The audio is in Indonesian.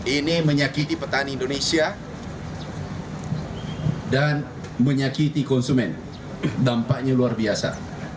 ini menyakiti petani indonesia dan menyakiti konsumen dampaknya luar biasa